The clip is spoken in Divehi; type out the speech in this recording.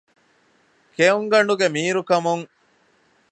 ކެއުންގަނޑުގެ މީރު ކަމުން